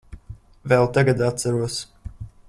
Vēl tagad atceros.